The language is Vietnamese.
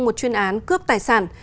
một chuyên án cướp tài sản